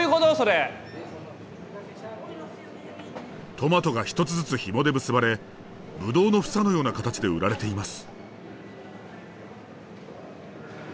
トマトが一つずつひもで結ばれぶどうの房のような形で売られています。